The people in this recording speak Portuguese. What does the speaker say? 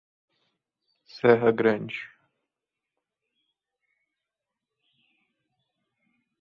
Serra Grande